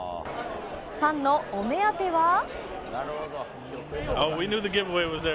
ファンのお目当ては？